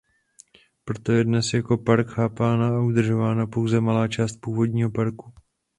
Proto je dnes jako park chápána a udržována pouze malá část původního parku.